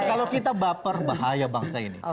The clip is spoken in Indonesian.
kalau kita baper bahaya bangsa ini